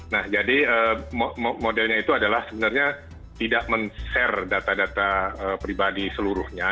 nah jadi modelnya itu adalah sebenarnya tidak men share data data pribadi seluruhnya